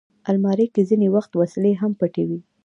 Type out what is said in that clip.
الماري کې ځینې وخت وسلې هم پټې وي